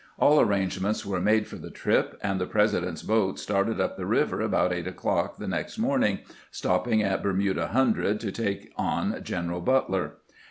All arrangements were made for the trip, and the Presi dent's boat started up the river about eight o'clock the next morning, stopping at Bermuda Hundred to take on General Butler.